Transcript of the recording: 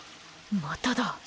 まただ。